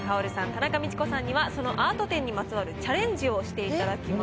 田中道子さんにはそのアート展にまつわるチャレンジをしていただきます。